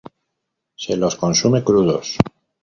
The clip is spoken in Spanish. Se los consume crudos.